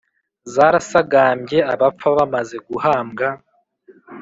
zarasagambye abapfa bamaze guhambwa.